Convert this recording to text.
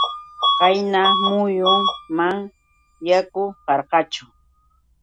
Qayna muyun manam yaku karqachu.